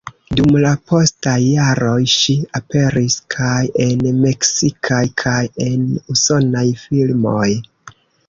Dum la postaj jaroj ŝi aperis kaj en meksikaj kaj en usonaj filmoj.